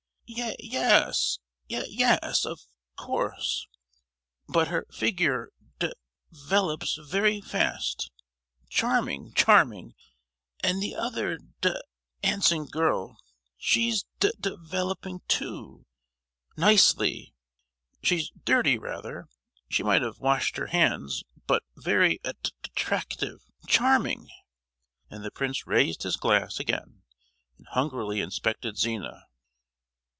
"Ye—yes, ye—yes, of course; but her figure de—velops very fast—charming, charming! And the other da—ancing girl, she's de—veloping too—nicely: she's dirty rather—she might have washed her hands, but very at—tractive, charming!" and the prince raised his glass again and hungrily inspected Zina.